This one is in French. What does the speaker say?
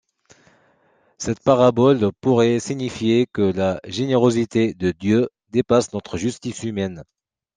Cette parabole pourrait signifier que la générosité de Dieu dépasse notre justice humaine.